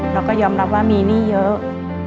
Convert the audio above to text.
เราก็ยอมรับว่ามีหนี้เยอะ